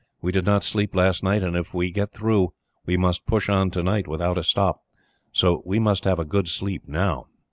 We did not sleep last night, and if we get through, we must push on tonight without a stop, so we must have a good sleep, now."